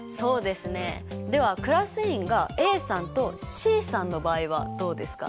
ではクラス委員がＡさんとＣさんの場合はどうですか？